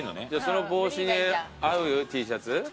その帽子に合うＴシャツ？